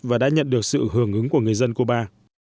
và đã nhận được sự hưởng ứng của người dân cuba